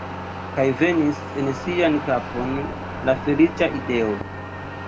Kaj venis en sian kapon la feliĉa ideo.